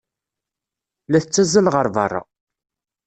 La tettazzal ɣer beṛṛa.